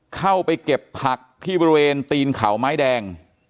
เข้าไปเก็บผักที่บริเวณตีนเขาไม้แดง